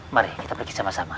mari kita pergi sama sama